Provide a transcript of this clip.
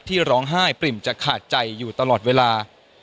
ร้องไห้ปริ่มจะขาดใจอยู่ตลอดเวลา